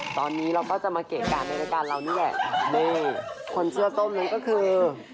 ตอนนี้เราก็จะมาเกะกะในรายการเรานี่แหละโดยคนเสื้อส้มนี้ก็คือ